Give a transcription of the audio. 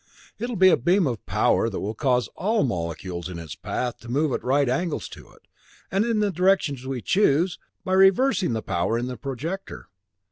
It'll be a beam of power that will cause all molecules in its path to move at right angles to it, and in the direction we choose, by reversing the power in the projector.